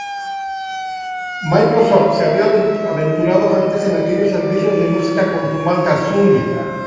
Microsoft se había aventurado antes en aquellos servicios de música con su marca Zune.